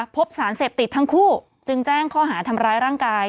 พบสารเสพติดทั้งคู่จึงแจ้งข้อหาทำร้ายร่างกาย